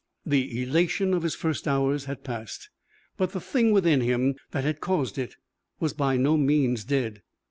The elation of his first hours had passed. But the thing within him that had caused it was by no means dead.